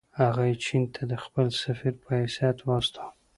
هغه یې چین ته د خپل سفیر په حیث واستاوه.